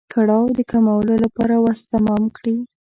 کړاو د کمولو لپاره وس تمام کړي.